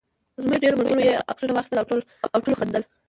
زموږ ډېرو ملګرو یې عکسونه واخیستل او ټولو خندل.